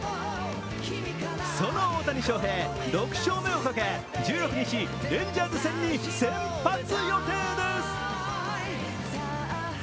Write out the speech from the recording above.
その大谷翔平、６勝目をかけ１６日、レンジャーズ戦に先発予定です。